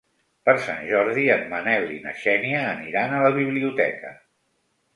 Per Sant Jordi en Manel i na Xènia aniran a la biblioteca.